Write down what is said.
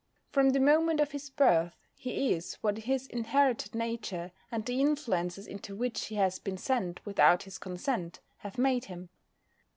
From the moment of his birth he is what his inherited nature, and the influences into which he has been sent without his consent, have made him.